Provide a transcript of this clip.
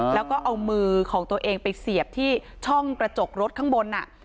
แล้วก็เอามือของตัวเองไปเสียบที่ช่องกระจกรถข้างบน